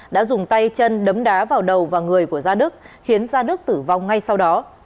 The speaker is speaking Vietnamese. đã dùng tay chân đấm đá vào đầu và người của gia đức khiến gia đức tử vong ngay sau đó